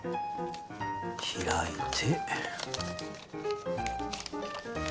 開いて。